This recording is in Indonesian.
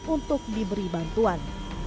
untuk diberi bantuan